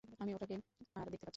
আমি ওটাকে আর দেখতে পাচ্ছি না।